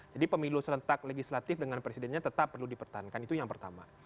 jadi pemilu serentak legislatif dengan presidennya tetap perlu dipertahankan itu yang pertama